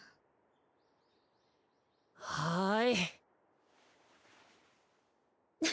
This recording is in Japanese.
はい。